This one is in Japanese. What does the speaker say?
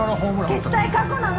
消したい過去なの！